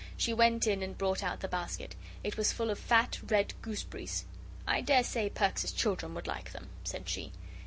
She went in and brought out the basket. It was full of fat, red gooseberries. "I dare say Perks's children would like them," said she.